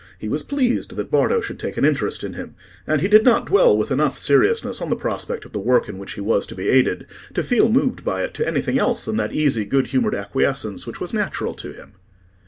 He was pleased that Bardo should take an interest in him; and he did not dwell with enough seriousness on the prospect of the work in which he was to be aided, to feel moved by it to anything else than that easy, good humoured acquiescence which was natural to him.